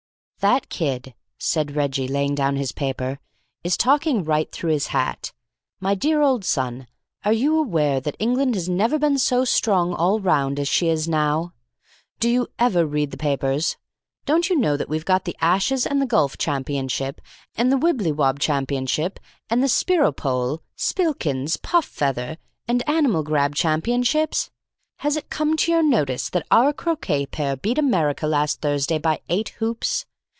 "That kid," said Reggie, laying down his paper, "is talking right through his hat. My dear old son, are you aware that England has never been so strong all round as she is now? Do you ever read the papers? Don't you know that we've got the Ashes and the Golf Championship, and the Wibbley wob Championship, and the Spiropole, Spillikins, Puff Feather, and Animal Grab Championships? Has it come to your notice that our croquet pair beat America last Thursday by eight hoops?